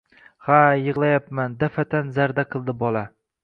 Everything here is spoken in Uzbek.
Ha, yig`layapman, daf`atan zarda qildi bola